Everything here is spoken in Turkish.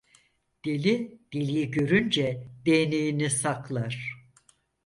Deli deliyi görünce değneğini saklar.